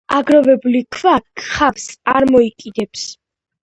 აგორებული ქვა ხავსს არ მოიკიდებს